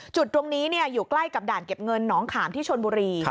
จุดตรงนี้อยู่ใกล้กับด่านเก็บเงินหนองขามที่ชนบุรี